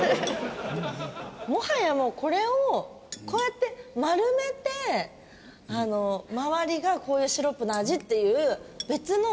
もはやもうこれをこうやって丸めて周りがこういうシロップの味っていう別の。